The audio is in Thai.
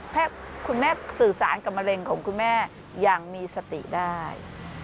ถ้าคุณแม่สื่อสารกับมะเร็งของคุณแม่อย่างมีสติได้